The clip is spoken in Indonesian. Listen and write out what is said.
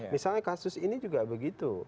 misalnya kasus ini juga begitu